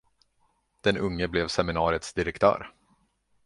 Den unge blev seminariets direktör.